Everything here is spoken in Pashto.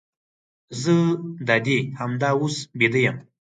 زه دادي همدا اوس بیده یم.